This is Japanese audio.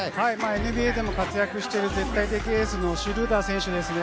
ＮＢＡでも活躍する、絶対的エースのシュルーダー選手ですね。